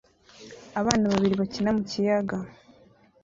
Abana babiri bakina mu kiyaga